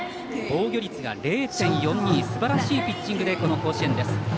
防御率が０．４２すばらしいピッチングでこの甲子園です。